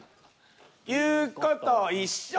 言う事一緒！